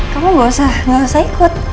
kamu gak usah ikut